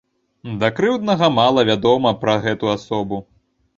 Да крыўднага мала вядома пра гэту асобу.